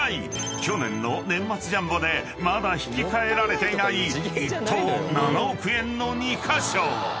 ［去年の年末ジャンボでまだ引き換えられていない１等７億円の２カ所］